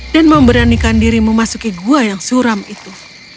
dan memberanikan diri memasuki gua yang suram itu